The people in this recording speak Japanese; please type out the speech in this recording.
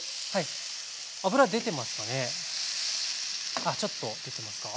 ああちょっと出てますか。